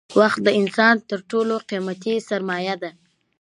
وخت د انسان تر ټولو قیمتي سرمایه ده